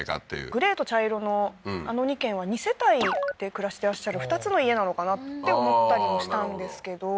グレーと茶色のあの２軒は二世帯で暮らしていらっしゃる２つの家なのかなって思ったりもしたんですけど。